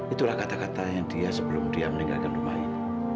itulah kata katanya dia sebelum dia meninggalkan rumah ini